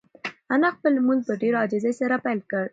انا خپل لمونځ په ډېرې عاجزۍ سره پیل کړ.